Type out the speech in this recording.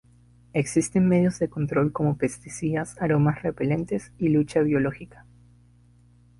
Existen medios de control como pesticidas, aromas repelentes y lucha biológica.